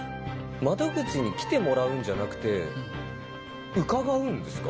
窓口に来てもらうんじゃなくて伺うんですか